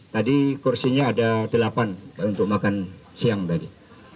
tadi kursinya ada delapan untuk makan siang tadi